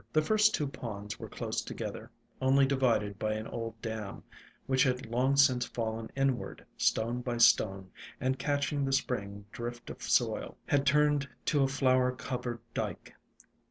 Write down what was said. The first two ponds were close together, only divided by an old dam, which had long since fallen inward, stone by stone, and, catching the spring drift of soil, had turned to a flower covered dyke.